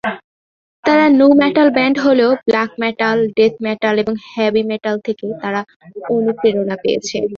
তারা nu metal band হলেও black metal, death metal এবং হেভি মেটাল থেকে তারা অনুপ্রেরণা পেয়েছে।